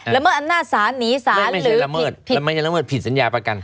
และไม่ผิดสัญญาณประกัน